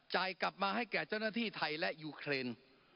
กลับมาให้แก่เจ้าหน้าที่ไทยและยูเครน